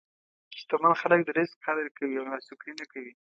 شتمن خلک د رزق قدر کوي او ناشکري نه کوي.